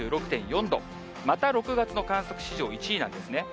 また６月の観測史上１位なんですね。